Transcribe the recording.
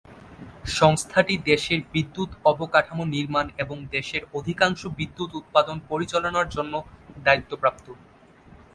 সংস্থাটি দেশের বিদ্যুৎ অবকাঠামো নির্মাণ এবং দেশের অধিকাংশ বিদ্যুৎ উৎপাদন পরিচালনার জন্য দায়িত্বপ্রাপ্ত।